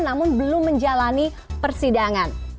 namun belum menjalani persidangan